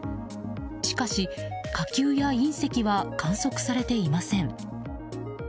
しかし、火球や隕石は観測されていません。